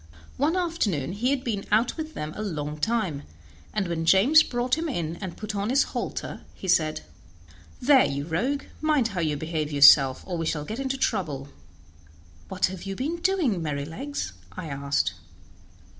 One afternoon he had been out with them a long time, and when James brought him in and put on his halter he said: "There, you rogue, mind how you behave yourself, or we shall get into trouble." "What have you been doing, Merrylegs?" I asked.